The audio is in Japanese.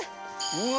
うわ！